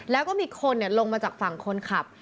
แล้วก็มีคนลงมาจากฝั่งคนขับ